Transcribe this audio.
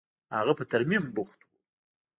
هغه په ترميم بوخت و.